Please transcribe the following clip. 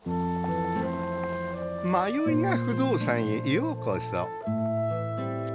迷い家不動産へようこそ。